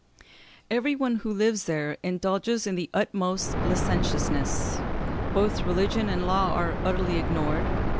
Every one who lives there indulges in the utmost licentiousness; both religion and law are utterly ignored....